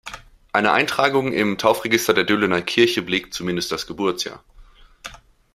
Eine Eintragung im Taufregister der Döhlener Kirche belegt zumindest das Geburtsjahr.